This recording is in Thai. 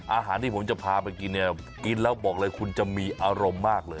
อาหารที่ผมจะพาไปกินเนี่ยกินแล้วบอกเลยคุณจะมีอารมณ์มากเลย